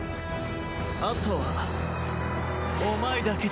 あとはお前だけだ。